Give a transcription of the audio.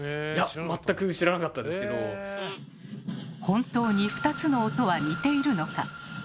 本当に２つの音は似ているのか。